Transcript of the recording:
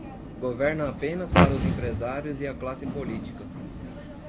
Governa apenas para os empresários e a classe política